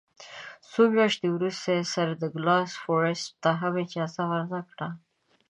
څو میاشتې وروسته یې سر ډاګلاس فورسیت ته هم اجازه ورنه کړه.